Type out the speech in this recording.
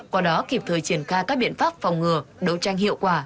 qua đó kịp thời triển khai các biện pháp phòng ngừa đấu tranh hiệu quả